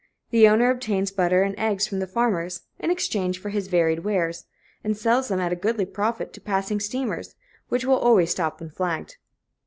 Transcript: The owner obtains butter and eggs from the farmers, in exchange for his varied wares, and sells them at a goodly profit to passing steamers, which will always stop when flagged.